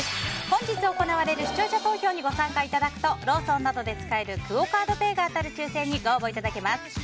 本日行われる視聴者投票にご参加いただくとローソンなどで使えるクオ・カードペイが当たる抽選にご応募いただけます。